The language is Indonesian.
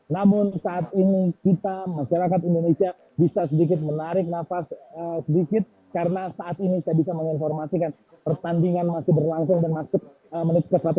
namun saat ini kita masyarakat indonesia bisa sedikit menarik nafas sedikit karena saat ini saya bisa menginformasikan pertandingan masih berlangsung dan masuk menit ke satu ratus lima puluh